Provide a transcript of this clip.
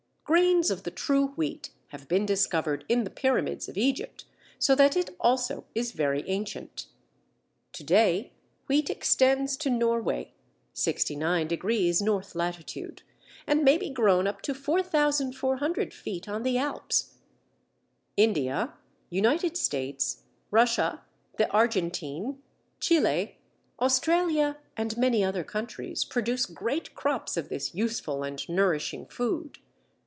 Grains of the true Wheat have been discovered in the Pyramids of Egypt, so that it also is very ancient. To day Wheat extends to Norway (69° N. lat.), and may be grown up to 4400 feet on the Alps. India, United States, Russia, the Argentine, Chile, Australia, and many other countries, produce great crops of this useful and nourishing food.